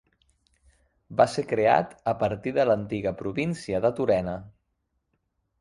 Va ser creat a partir de l'antiga província de Turena.